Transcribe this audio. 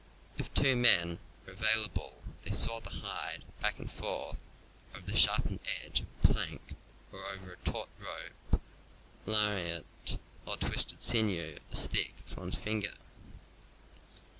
If two men are available they saw the hide back and forth over the sharpened edge of a plank or over a taut rope, lariat, or a twisted sinew as thick as one's finger.